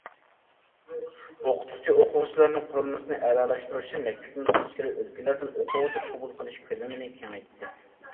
ئوقۇتقۇچى، ئوقۇغۇچىلارنىڭ قۇرۇلمىسىنى ئەلالاشتۇرۇش ئۈچۈن، مەكتىپىمىز ئىچكىرى ئۆلكىلەردىن ئوقۇغۇچى قوبۇل قىلىش كۆلىمىنى كېڭەيتتى.